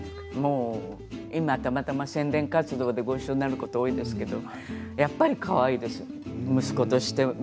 今また宣伝活動で一緒になること多いんですけどやっぱりかわいいです息子として。